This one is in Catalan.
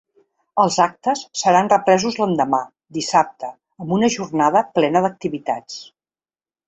Els actes seran represos l’endemà, dissabte, amb una jornada plena d’activitats.